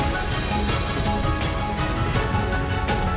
tapi sebetulnya vadainya